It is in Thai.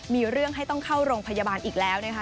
มีเรื่องให้ต้องเข้าโรงพยาบาลอีกแล้วนะคะ